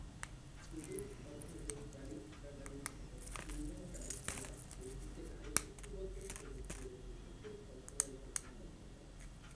হুদুদ অধ্যাদেশ জারি থাকাকালীন সময়ে হিউম্যান রাইটস ওয়াচ দেশটিতে নারী চুক্তিবদ্ধ শ্রমিকদের ওপর প্রচুর ধর্ষণের ঘটনা লক্ষ করে।